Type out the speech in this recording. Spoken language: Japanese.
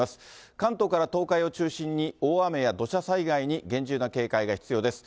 関東から東海を中心に、大雨や土砂災害に厳重な警戒が必要です。